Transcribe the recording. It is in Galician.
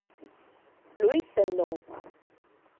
Luís Sendón.